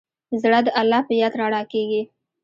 زړه د الله په یاد رڼا کېږي.